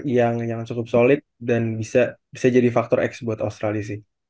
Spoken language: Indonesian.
yang cukup solid dan bisa jadi faktor x buat australia sih